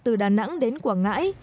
từ đà nẵng đến quảng ngãi